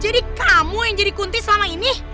jadi kamu yang jadi kunti selama ini